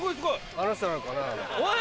あの人なのかな。